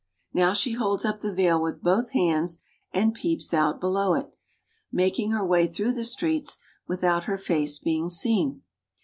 Now she holds up the veil with both hands and peeps out below it, making her way through the streets without her face being seen.